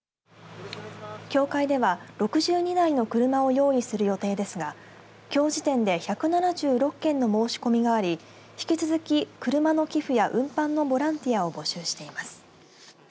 協会では６２台の車を用意する予定ですがきょう時点で１７６件の申し込みがあり引き続き車の寄付や運搬のボランティアを募集しています。